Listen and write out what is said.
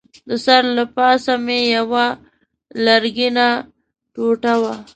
د سر له پاسه مې یوه لرګینه ټوټه وه.